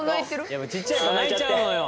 やっぱちっちゃい子は泣いちゃうのよ